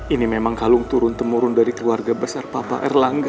ini memang kalung turun temurun dari keluarga besar bapak erlangga